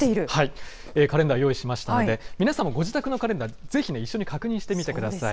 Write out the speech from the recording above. カレンダー用意しましたので、皆さんもご自宅のカレンダー、ぜひ、一緒に確認してみてください。